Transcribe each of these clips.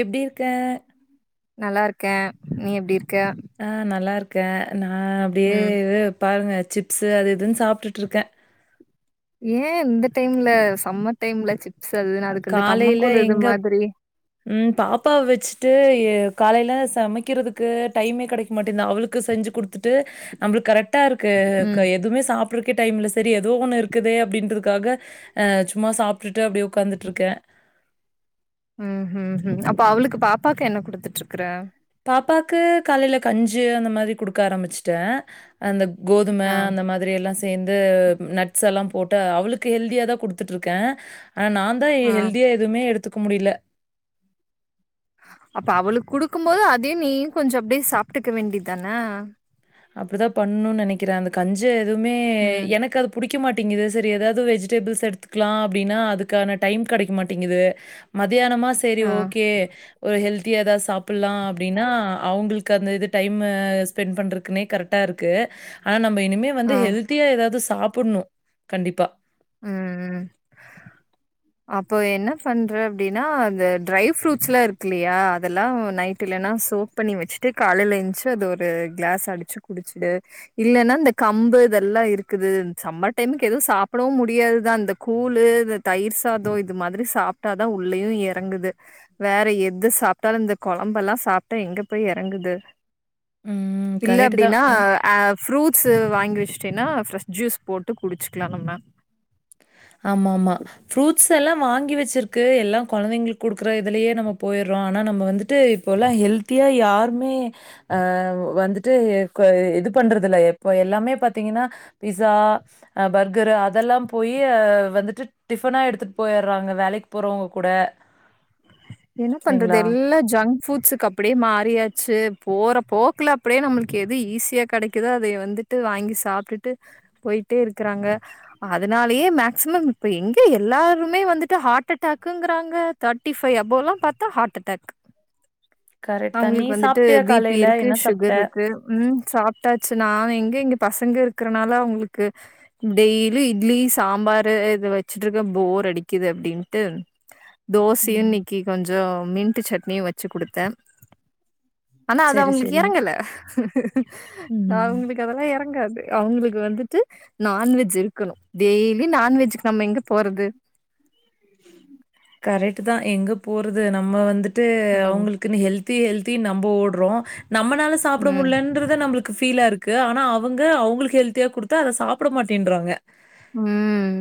எப்டி இருக்க நல்லா இருக்கேன் நீ எப்டி இரு ஆஹ் நல்லா இருக் க நா அப்டியே ம். பாருங்க சிப்ஸ் அது இதுன்னு சாப்டுட்டு இருக்கே ஏன் இந்த டைம்ல சம்மர் டைம்ல சிப் ஸ்னு அதுக்கு இந்த கம்மங்கூழ் இது மாதிரி உம் பாப்பாவ வச்ட்டு காலையில சமைக்றதுக்கு டைமே கெடைக்க மாட்டேந்து அவளுக்கு செஞ்சு குடுத்துட்டு நம்ளுக்கு கரெக்ட் இருக்கு ம். எதுமே சாப் க்க டைம்இல்ல சரி ஏதோ ஒண்ணு இருக்குதே அப்டின்றதுக்காக ஆஹ் சும்மா சாப்டுட்டு அப்டியே உக்காந்துட்டு இருக்கே ம் ஹிம் ஹிம் அப்போ அவ்ளுக்கு பாப்பாக்கு என்ன குடுத்துட்டு இருக்ற பாப்பாக்கு காலைல கஞ்சு அந்த மாரி குடுக்க ஆரம்பிச்ட்டே அந்த கோதும ஆ. அந்த மாதிரி எல்லா சேந்து நட்ஸ் எல்லா போட்டு அவளுக்கு ஹெல்தியா தா குடுத்துட்டு இருக்கே ஆனா நாந்தா ஆ. ஹெல்தியா எதுவும எடுத்து க்க முடில அப்ப அவளுக்கு குடு க்கு போது அதயே நீயு கொஞ்சோ அப்டியே சாப்ட்டுக்க வேண்டிதானே அப்டிதா பண்ணுனு நெனைக்ற அந்த கஞ்ச எதுவுமே ம். எனக்கு அது புடி க்க மாட்டேங்து சரி ஏதாவது வெஜிடபிள்ஸ் எடுத்துக்கலா அப்டின்னா அதுக்கான டைம் கெடைக்க மாட்டேங்குது மத்தியானமா சரி ஆ. ஓகே ஒரு ஹெல்த் த்தியா ஏதாவது சாப்ட்லா அப்டின்னா அவுங்ள்க்கு அந்த இது டைம் ஸ்பெண்ட் பண்ற னே கரெக்டா இருக்கு ஆனா ந இனிமே வந்து ஆ. ஹெல்தியா ஏதாவது சாப் சாப்புணோ கண்டிப்பா உம் உம் அப்போ என்ன பண்ற அப்டின்னா இந்த ட்ரை ஃப்ரூட்ஸ்ல்லா இருக்குல்லியா அதெல்லா நைட் இல்லன்னா சோக் பண்ணி வச்சுட்டு காலைல எஞ்சு அது ஒரு கிளாஸ் அடிச்சு குடிச்சிடு இல்லன்னா இந்த கம்பு இதெல்லா இருக்குது சம்மர் டைமுக்கு எதவு சாப் ப்டவு முடியாதுதா இந்த கூழ் இந்த தயிர் சாதோ இது மாதிரி சாப்ட்டாதா உள்ளயு எறங்குது வேற எது சாப்ட்டாலு இந்த குழம்புல்லா சாப்ட்டா எங்க போய் எறங்குது ம். இல்ல கரெக்ட் தான். அப்டின்னா அ ஃப்ரூட் ஸு வாங்கி வச்சிட்டின்னா ஃப்ரெஷ் ஜூஸ் போட்டு குடிச்சிக்லா நம்ம ஆமாமா ஃப்ரூட்ஸ் ஸ் எல்லா வாங்கி வச்சிருக்கு எல்லா கொழந்தைங்ளுக்கு குடுக்ற இதுலயே நம்ம போய்றோ ஆனா நம்ம வந்துட்டு இபோலா ஹெல்த்தியா யாருமே அஹ் வந்துட்டு இது பண்றது இல்ல இப்ப எல்லாமே பாத்தீங்ன்னா பிஸ்சா பர்கர் அதெல்லா போய் வந்துட்டு டிஃபனா எடுத்துட்டு போயிடுறாங்க வேலைக்கு போறவங்க கூட என்ன பண்றது இல்லைங்களா? எல்லா ஜங் ஃபூட்ஸுக்கு அப்டியே மாறியாச்சு போற போக்ல அப்டியே நம்ளுக்கு எது ஈஸியா கெடைக்குதோ அத வந்துட்டு வாங்கி சாப்டுட்டு போய்ட்டே இருக்றாங்க அதனாலயே மேக்சிமம் இப்போ எங்க எல்லாருமே வந்துட்டு ஹார்ட்டடாக்குங்றாங்க தேர்ட்டி ஃபைவ் அபொவ் போலா பாத்தா ஹார்ட்டடாக் கரெக்ட் தான். நீ அவுங்ளுக்கு வந்துட்டு சாப்ட்டியா பிபி காலையில? இருக்கு என்ன சாப்ட்ட? சுகர் இருக்கு உம் சாப் எதாச்சு நான் எங்க இங்க பசங்க இருக்கறனால அவங்களுக்கு டெய்லி இட்லி சாம்பாரு இத வச்சுட்டு இருக்க போர் அடிக்குது அப்படின்ட்டு தோசையும் ம். நி கொஞ்சம் மின்ட்டு சட்னியும் வச்சு கொடுத்தா ஆனா அது சரி, அவங்களுக்கு சரி. இறங்கல ம். அவங்களுக்கு அதெல்லாம் இறங்காது அவங்களுக்கு வந்துட்டு நான்வெஜ் இருக்கணும் டெய்லி நான்வெஜ்கு நம்ம எங்க போறது கரெக்ட் தான் எங்க போறது நம்ம வந்து ம், அவங்களுக்குன்னு ஹெல்தி ஹெல்த் த்தி நம்ப ஓடுறோ நம்மளால சாப்பிட ம், முடியலன்றத நம்மளுக்கு ஃபீலா இருக்கு இருக்கு ஆனா அவங்க அவங்களுக்கு ஹெல்தியா கொடுத்தா அதை சாப்பிட மாட்டேன்றாங்க உம்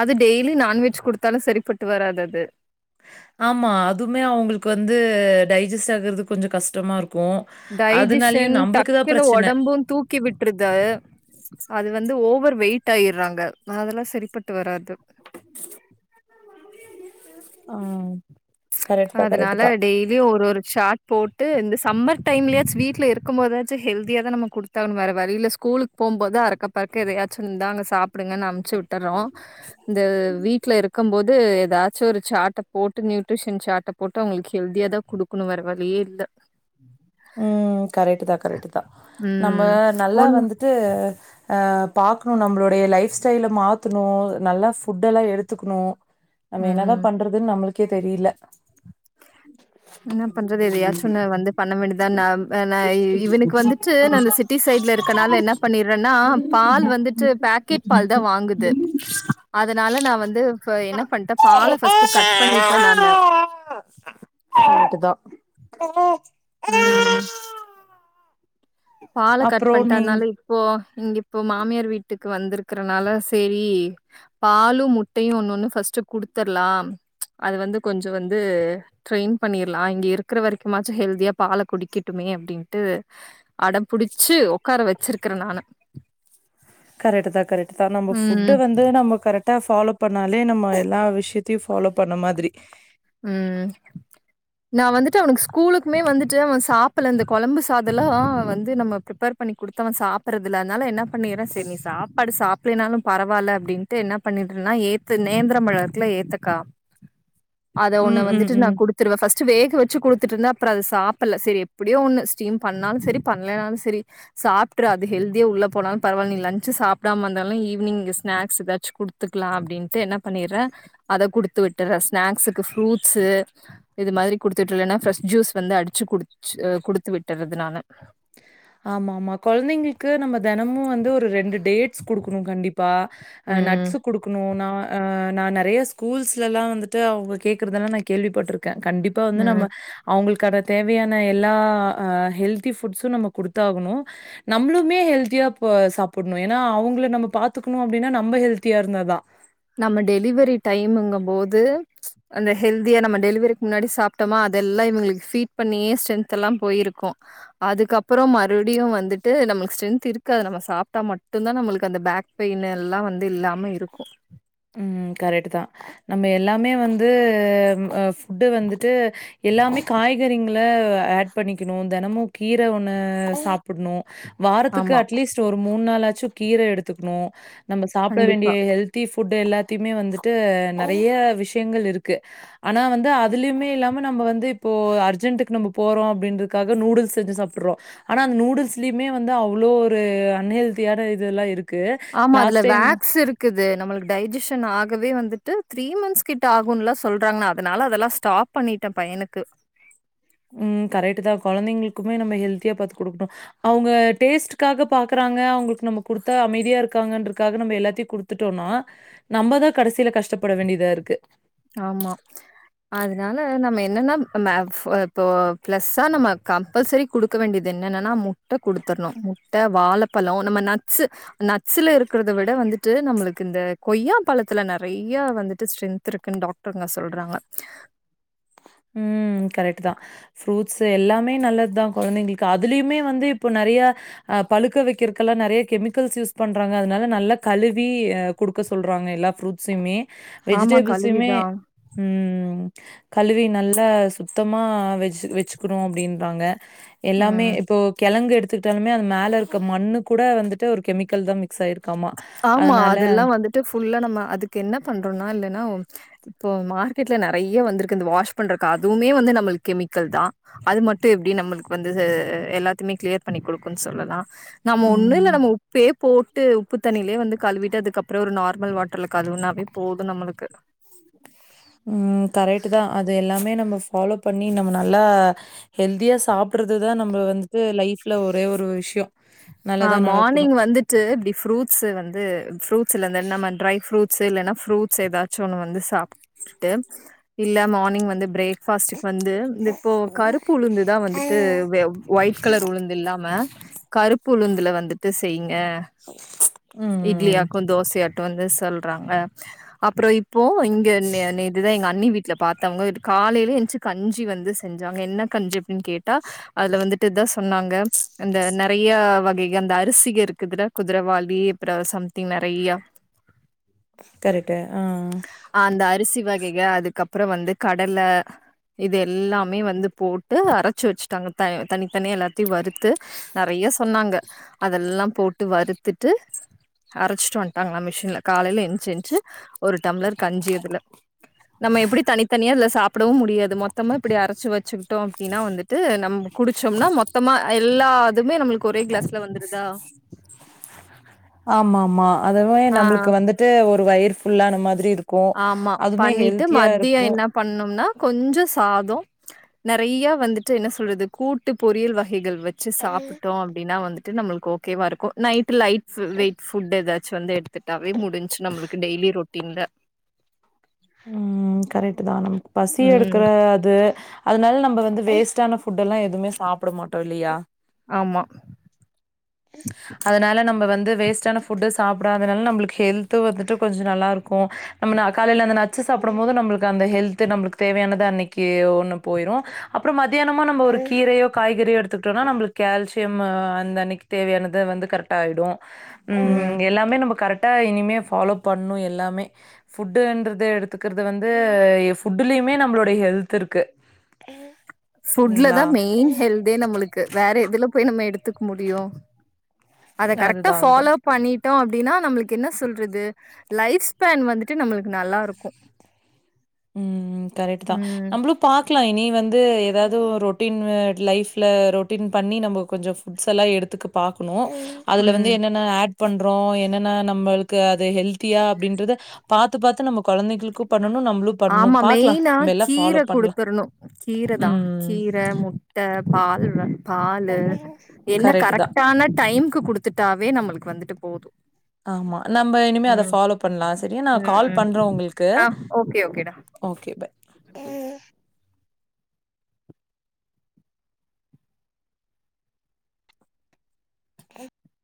அது டெய்லி நான்வெஜ் கொடுத்தாலும் சரிப்பட்டு வராது அது ஆமா அதுமே அவங்களுக்கு வந்து டைஜஸ்ட் ஆகுறது கொஞ்சம் கஷ்டமா இருக்கும் அதனாலயும் டைஜஷன் நம்மளுக்கு தான் டக்குன்னு பிரச்சன. உடம்பும் தூக்கி விட்டுருதுா அது வந்து ஒ ஓவர் வெயிட் ஆயிடுறாங்க அதெல்லாம் சரிப்பட்டு வராது ஆ கரெக்ட் தான், கரெக்ட் அதனால தான். டெய்லியு ஒரு ஒரு ஷார்ட் போட்டு இந்த சம்மார் டைம்லயாச்ச வீட்டுல இருக்கும் போதாச்சும் ஹெல்தியா தா நம்ம கொடுத்தாகுனும் வேற வழியில்ல ஸ்கூலுக்கு போகும் போது அறக் அக்க பறக்க எதையாச்சும் இந்தாங்க சாப்பிடுங்கன்னு அனுபிச்சு விட்டுறோ இந்த வீட்ல இருக்கும் போது எதாச்சும் ஒரு சாட்டை போட்டு நியூட்டிஷன் சாட்ட போட்டு அவங்களுக்கு ஹெல்தியா தான் கொடுக்கணும் வேறவழியே இல்லா உம் கரெக்ட் தா கரெக்ட் தா நம்ம ம். நல்லா ஒண்ணு வந்துட்டு ஆ பார்க்கணும் நம்மளுடைய லைஃப் ஸ்டைலை மாத்துணு நல்லா ஃபுட்டெல்லாம் எடுத்துக்கணு நம்ம ம். என்னதான் பண்றதுன்னு நம்மளுக்கு க்கே தெரில என்ன பண்றது எதையயாச்சு ஒன்னா வந்து பண்ண வேண்டியது நா இவனுக்கு வந்துட்டு நான் சிட்டி சைட்ல இருக்கனால என்ன பண்ணடுறேன்னா பால் வந்துட்டு பேக்கெட் பால் தான் வாங்குது அதனால நான் வந்து என்ன பண்ணிட்டேன் பலா ஃபர்ஸ்ட்டு கட்டு பண்ணிட்டேன் நானு [unintelligible] ம் பலா கட் அப்புறம் பண்ணிட்டா நீங் அதனால இப்போ இங்க இப்போ மாமியார் வீட்டுக்கு வந்திருக்கறனால செரி பாலும் முட்டையும் ஒன்ன ஒண்ணு ஃபர்ஸ்ட்டு குடுத்திரலாம் அது வந்து கொஞ்சம் வந்து ட்ரெயின் பண்ணிரலாம் இங்க இருக்கிற வரைக்கும்மாச்சும் ஹெல்தியா பாலை குடிக்கட்டுமே அப்படின்ட்டு அட புடிச்சு உடக்கார வச்சிருக்கறே நானு கரெக்ட்டு தா கரெக்ட்டு தா தான் நம்ம ம், ஃபுட்டுவந்து நம்ம கரெக்டு ட்டா ஃபாலோ பண்ணாலே நம்ம எல்லா விஷயத்தையும் ஃபாலோ பண்ண மாதிரி உஹம் நான் வந்துட்டு அவனுக்கு ஸ்கூலுக்குமே வந்துட்டு அவன் சாப்டல இந்த கொழம்பு சாதம் எல்லாம் வந்து நம்ம பிரபர் பண்ணி கொடுத்து அவன் சாப்புடுறதுல்ல அதனால என்ன பண்ணறான் செரி நீ சாப்பாடு சாப்பிடலனாலும் பரவாயில்ல அப்படின்ட்டு என்ன பண்ணடுறேன்னா ஏத்து நேந்திர மழத்துல ஏத்துக்கா அத ஒன்னு ம், ம், வந்துட்டு ம். நான் கொடுத்துருவே ஃபஸ்ட் வேக வச்சு குடுத்து ட்டு இருந்தா அப்புறோ அது சாப்பிட செரி எப்படியோ ஒண்ணு ஸீம் பண்ணாலும் சரி பண்ணலலைனாலும் சரி சாப்பிடுற அது ஹெல்தியா உள்ள போனாலும் பரவாயல நீ லஞ்சு சாப்பிடாம இருந்தாலும் ஈவினிங் ஸ்நாக்ஸ் ஏதாச்சும் குடுத்துக்கலாம் அப்படின்ட்டு என்ன பண்ணடுற அதை குடுத்து வீட்டுறேன் ஸ்நாக்ஸ் இது ஃபிராய்ட்ஸ் இது மாதிரி கொடுத்து விட்டுலன்னா பிரெஷ் ஜூஸ் வந்து அடிச்சுடு குடிச்சி குடுத்து விட்டுறது நான ஆமா ஆமா கொழந்தைங்களுக்கு நம்ம தினமும் வந்து ஒரு ரெண்டு டேட்ஸ் கொடுக்கணும் கண்டிப்பா ஆன் ம் நட்ஸ் கொடுக்கணும் நான் ஆஹன் நான் நெறைய ஸ்கூல்ஸ்லலாம் வந்துட்டு அவங்க கேட்குறதெல்லாம் நான் கேள்விப்பட்டிருக்கே கண்டிப்பா வந்து நம்ம ம். அவுங்களுக்கு கட தேவையான எல்லா் ஹெல்தி புட்ஸும் நம்ம கொடுத்து குடுத்தாகணும் நம்மளுமே ஹெல்தியா சாப்டணு ஏன்னா அவங்கள நம்ம பாத்துக்கணும் அப்படின்னா நம்ம ஹெல்த்தியா இருந்தாதான் நம்ம டெலிவரி டைமுங்கும் போது அந்த ஹெல்தியா நம்ம டெலிவரிக்கு முன்னாடி சாப்ட்டோமா அதெல்லாம் இவங்களுக்கு ஃபீட் பண்ணியே ஸ்ட்ரென்த் எல்லாம் போயிருக்கும் அதுக்கப்புறம் மறுபடியும் வந்துட்டு நம்ம ஸ்ட்ரென்த் இருக்கு நம்ம சாப்பிட்டா மட்டும் தான் நம அந்த பேக் பெயின் எல்லாம் வந்து இல்லாம இருக்கும் உஹம் கரெக்ட் தான் நம்ம எல்லாமே வந்து ஃபுவ்ட் வந்துட்டு எல்லாமே காய்கறிங்களை ஆட் பண்ணிக்கணும் தினமும் கீரை ஒண்ணு சாப்பிடணும் வாரத்துக்கு ஆமா, அட்லீஸ்ட் ஒரு ஒரு மூணு நாளாச்சும் கீர எடுத்துக்கணு நம்ம சாப்பிட வேண்டிய கண்டிப்பா. ஹெல்தி ஃபுட் எல்லாத்தையுமே வந்துட்டு நெறைய விஷயங்கள் இருக்கு ஆனால் வந்து அதுலயுமே இல்லாமல் நம்ம வந்து இப்போ அர்ஜென்டக்கு நம்ம போறோம் அப்படின்றதுக்காக நூடுல்ஸ் செஞ்சு சாப்பிட்றோ ஆனா அந்த நூடுல்ஸ்லயுமே வந்து அவ்வளோ ஒரு அன்ஹெல்தியான இதெல்லாம் இருக்கு ஆமா அதுல லாஸ்ட் டைம் வேக்ஸ் இருக்குது நம்மளுக்கு டைஜஷன் ஆகவே வந்துட்டு த்ரீ மந்த்ஸ் கிட்ட ஆகும்ல சொல்றாங்கன்னா அதனால அதெல்லாம் ஸ்டாப் பண்ணிட்டேன் பையனுக்கு உஹம் கரெக்ட் தான் குழந்தைங்களுக்குமே நம்ம ஹெல்த்தியா பாரத்து குடுக்கணும் அவங்க டேஸ்ட்காக பாக்குறாங்க அவங்களுக்கு நம்ம குடுத்தா அமைதியா இருக்காங்கன்றக்காக நம்ம எல்லாத்தையும் குடுத்துட்டோம்னா நம்மதான் கடைசியில கஷ்டப்பட வேண்டியதா இருக்கு ஆமா அதனால நம்ம என்னன்னா இப்போ பிளஸ்ஸா நம்ம கம்பல்சரி குடுக்க வேண்டியது என்னன்னன்னா முட்டை குடுடுத்தடணும் முட்டை வாழைப்பழம் நம்ம நட்ஸ் நட்ஸ்ல இருக்கதை விட வந்துட்டு நம்மளுக்கு இந்த கொய்யா பழத்துல நிறைய வந்துட்டு ஸ்ட்ரென்த் இருக்குன்னு டாக்டருங்க சொல்றாங்க உம் கரெக்ட் தான் ஃரூட்ஸ் ஸ் எல்லாமே நல்லது தான் குழந்தைங்களுக்கு அதுலயுமே வந்து இப்ப நிறைய ஹா பழுக்க வைக்கிறதுக்கெல்லாம் நிறைய கெமிக்கல்ஸ் யூஸ் பண்றாங்க அதனால நல்லா கழுவி அ கொடுக்க சொல்றாங்க எல்லா ஃப்ரூட்ஸுமே ஆமா வெஜிடேபிள்ஸமே கழுவிதா உம் கழுவின் நல்லா சுத்தமா வெச்சி வெச்சிகாணும் அப்படின்றாங்க எல்லாமே ம் இப்போ கிழங்கு எடுத்து எடுத்துகிட்டாலமே அந்த மேல இருக்க மண்ணு கூட வந்துட்டு ஒரு கெமிக்கல் தான் மிக்ஸ் ஆயிருக்காமா. ஆமா அதனால அதெல்லாம் வந்துட்டு ஃபுல்லா நம்ம அதுக்கு என்ன பண்றோம்னா இல்ல இப்போ மார்க்கெட்ல நிறைய வந்திருக்கு இந்த வாஷ் பண்றக்கு அதுவுமே வந்து நம்ம கெமிக்கல் தான் அது மட்டும் எப்டி நம்மளுக்கு வந்து எல்லாத்தையுமே கிளியர் பண்ணி் கொடுக்கும்ன்னு சொல்லலாம் நம்ம ஒண்ணும் இல்லை ம், நம்ம உப்பே போட்டு உப்புதண்ணிலே வந்து கழுவிட்டு அதுக்கப்புறம் ஒரு ந நார்மல்வாட்டர்ல கழுவுனாலே போதும் நம்மளுக்கு உஹம் கரெக்ட் தான் அது எல்லாமே நம்ம ஃபாலோ பண்ணி நம்ம நல்லா ஹெல்தியா சாப்பிடுறதுதான் நம்ம வந்து லைஃப்ல ஒரே ஒரு விஷயம் ஆ நல்லதா மார்னிங் நடக்கணும். வந்துட்டு ஃப்ரூட்ஸ் வந்து ஃப்ரூட்ஸ்ல நம்ம ட்ரை ஃப்ரூட்ஸ் இல்லனா ஃப்ரூட்ஸ் ஏதாச்சும் ஒண்ணு வந்து சாப்ட்டுட்டு இல்ல மார்னிங் வந்து பிரேக் பாஸிக் வந்து இந்த இப்போ கருப்பு உளுந்து தான் வந்துட்டு ஒயிட் கலர் உளுந்து இல்லாம கருப்பு உளுந்துல வந்துட்டு செய்ங்க ஆஹ இட்லி ம். ஆக்கும் தோசையாக்கும் வந்து சொல்றாங்க அப்புறோ இப்போ இங்க இது தான் எங்க அண்ணி வீட்ல பாத்தவங்க காலையில எனிச்சு கஞ்சி வந்து செஞ்சாங்க என்ன கஞ்சி அப்டின்னு கேட்டா அதுல வந்துட்டு தான் சொன்னாங்க அந்த நிறையா வகைக அந்த அரிசிங்க இருக்குதுல குதிரைவாளி அப்புறோ சம்திங் நறையா கரெக்ட்டு ஆ அந்த அரிசி வகைக அதுக்கப்புறோ வந்து கடலை இது எல்லாமே வந்து போட்டு அரைச்சு வச்சுட்டாங்க தனித்தனியா எல்லாத்தையும் வறுத்து நறையா சொன்னாங்க அதெல்லாம் போட்டு வறுத்துட்டு அரைச்சிட்டு வந்துட்டாங்க மிஷின்ல காலையில எஞ்சு எஞ்சு ஒரு டம்ளர் கஞ்சி இதுல நம்ம எப்டி தனித் தனியா அதுல சாப்பிடவும் முடியாது மொத்தமா இப்டி அரைச்சு வச்சுக்கிட்டோம் அப்டின்னா வந்துட்டு நம்ம குடிச்சோம்னா மொத்தமா எல்லா இதுமே நம்மளுக்கு ஒரே கிலாஸ் வந்துறுதா ஆமா ஆமா அதுவே நம்முளுக்கு வந்துட்டு ஒரு வயிர் ஃபுல்லான மாதிரி இருக்கும் ஆமா அதுவுமே பண்ணிட்டு ஹெல்த்தியா மதியம் இருக்கும். என்ன பண்ணும்னா கொஞ்ஜோ சாதம் நறையா வந்துட்டு என்ன சொல்றது கூட்டு பொரியல் வ கைகள் வச்சு சாப்ட்டோம் அ அப்டின்னா வந்துட்டு நம்முளுக்கு ஓகேவா இருக்கும் நைட் லைட் வெய்ட் ஃபுட் ஏதாச்சும் வந்து எடுத்துட்டாவே முடிஞ்சு நம்முளுக்கு டெய்லி ரூட்டீன்ல உம் கரெக்ட் தான் நம் பசி எடுக்குற ம் அது அதுனால நம்ம வந்து வேஸ்டான ஃபுட் எல்லாம் எதுவுமே சாப்ட மாட்டோம் இல்லியா ஆமா அதனால நம்ம வந்து வேஸ்டான ஃபுட்டு சாப்டாதனால நம்முளுக்கு ஹெல்த்து வந்துட்டு கொஞ்ஜோ நல்லா இருக்கும் நம்ம காலைல அந்த நட்சு சாப்பிடும் போது நம்முளுக்கு அந்த ஹெல்த் நம்முளுக்கு தேவையானது அன்னிக்கு ஒண்ணு போயிடும் அப்புறோ மதியானமா நம்ம ஒரு கீரையோ காய்கறியோ எடுத்துக்கிட்டோம்னா நம்முளுக்கு கால்சியம் அந்த அன்னிக்கு தேவையானது வந்து கரெக்ட்டா ஆகிடும் ம் உம் எல்லாமே நம்ம கரெக்ட் இனிமே ஃபாலோ பண்ணும் எல்லாமே ஃபுட்டுன்றது எடுத்துக்குறது வந்து ஃபுட்டுலயுமே நம்மளுடைய ஹெல்த் இருக்கு ஃபுட்ல இல்லைங்களா தான் மெயின் ஹெல்தே நம்முளுக்கு வேற எதுல போய் நம்ம எடுத்து முடியும் அத கரெக்ட்டா அதுதான் அதுதான். ஃபாலோ பண்ணிட்டோம் அப்டின்னா நம்முளுக்கு என்ன சொல்றது லைப்ஸ்ஃபான் வந்துட்டு நம்முளுக்கு நல்லா இருக்கும் உம் கரெக்ட் தான் ம் நம்முளும் பாக்கலாம் இனி வந்து எதாவது ஒரு ரொட்டீன் லைஃப்ல ரொட்டீன் பண்ணி நம்ம கொஞ்ஜோ புட்ஸ்ல்லாம் எடுத்துக்க பாக்கணும் அதுல வந்து ம் என்னென்ன ஆட் பண்றோ என்னன்னா நம்மளுக்கு அது ஹெல்த்தியா அப்டின்றது பாத்து பாத்து நம்ம கொழந்தைகளுக்கு பண்ணணு நம்மளுக்கு ஆமா மெயினா கீர குடுத்துரணு கீர தா ம். கீர முட்ட பால் பால்லு என்ன கரெக்ட் தான். கரெக்டான டைம்க்கு குடுத்துட்டாவே நம்மளு வந்துட்டு போவுது ஆமா நம்ம இனிமே அத ஃபாலோ பண்ணலா செரியா நா கால் பண்றே உங்களுக்கு ஆஹ் ஓகே ஓகேடா ஓகே. பை.